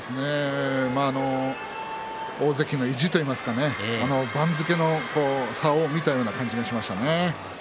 大関の意地といいますかね番付の差を見たような感じがしましたね。